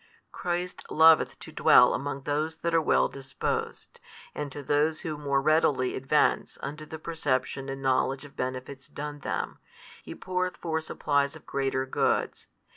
Christ loveth to dwell among those that are well disposed, and to those who more readily advance unto the perception and knowledge of benefits done them, He poureth forth supplies of greater goods.